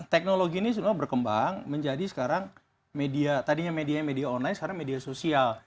teknologi ini semua berkembang menjadi sekarang media tadinya media media online sekarang media sosial